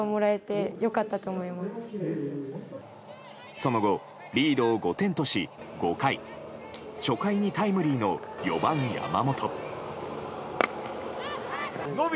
その後、リードを５点とし５回初回にタイムリーの４番、山本。